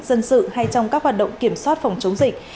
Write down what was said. dân sự hay trong các hoạt động kiểm soát phòng chống dịch